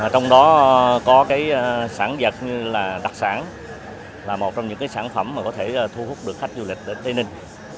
trong đó có cái sản vật như là đặc sản là một trong những sản phẩm mà có thể thu hút được khách du lịch đến tây ninh